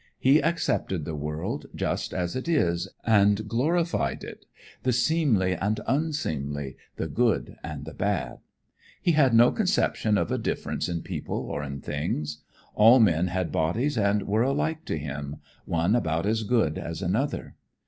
He accepted the world just as it is and glorified it, the seemly and unseemly, the good and the bad. He had no conception of a difference in people or in things. All men had bodies and were alike to him, one about as good as another.